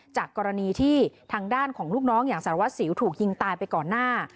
จากกรณีที่ทางด้านของลูกน้องอย่างสารวัสสิวถูกยิงตายไปก่อนหน้า